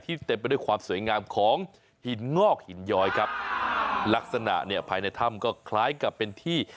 เต็มไปด้วยความสวยงามของหินงอกหินย้อยครับลักษณะเนี่ยภายในถ้ำก็คล้ายกับเป็นที่